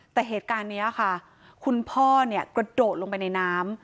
แต่เหตุการณ์นี้ค่ะคุณพ่อเนี่ยกระโดดลงไปในน้ำ